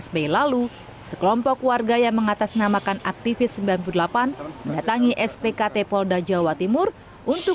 dua belas mei lalu sekelompok warga yang mengatasnamakan aktivis sembilan puluh delapan mendatangi spkt polda jawa timur untuk